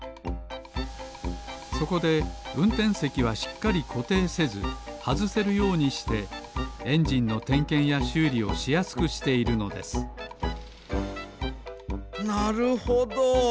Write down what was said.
そこでうんてんせきはしっかりこていせずはずせるようにしてエンジンのてんけんやしゅうりをしやすくしているのですなるほど。